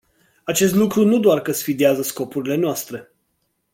Acest lucru nu doar că sfidează scopurile noastre.